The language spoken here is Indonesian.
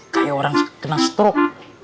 kayak orang kena strok